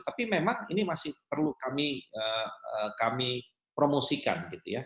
tapi memang ini masih perlu kami promosikan